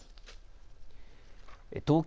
東京